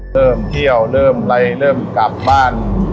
เริ่มเที่ยวเริ่มอะไรเริ่มกลับบ้าน